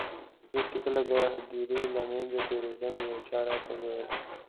زه چې کله د هدیرې له منځه تېرېدم یو چا راته وویل.